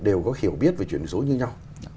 đều có hiểu biết về chuyển đổi số như nhau